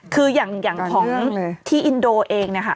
คืออย่างของที่อินโดเองเนี่ยค่ะ